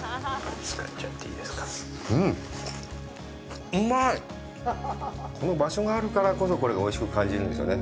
うんうまいこの場所があるからこそこれがおいしく感じるんですよね